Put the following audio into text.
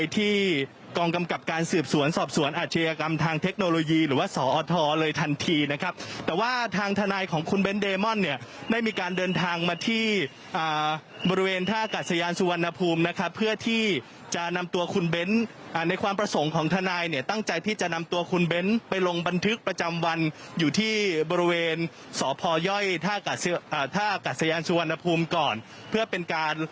แต่ว่าทางทนายของคุณเดมอนเนี่ยไม่มีการเดินทางมาที่อ่าบริเวณท่ากาศเซียนสุวรรณภูมินะครับเพื่อที่จะนำตัวคุณท่านายเนี่ยตั้งใจที่จะนำตัวคุณไปลงบันทึกประจำวันอยู่ที่บริเวณ